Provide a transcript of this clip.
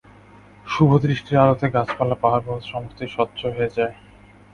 শুভদৃষ্টির আলোতে গাছপালা পাহাড়পর্বত সমস্তই স্বচ্ছ হয়ে যায়।